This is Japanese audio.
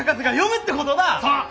そう！